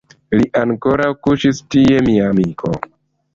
Li ankoraŭ kuŝis tie, mia amiko.